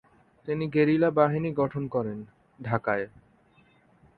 তিনি গেরিলা বাহিনী গঠন করেন ঢাকায়।